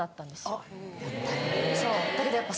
だけどやっぱ。